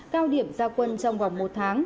cao điểm ra quân trong vòng một tháng